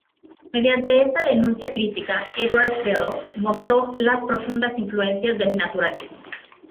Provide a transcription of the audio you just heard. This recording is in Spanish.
Mediante esta denuncia crítica, Edwards Bello mostró las profundas influencias del naturalismo.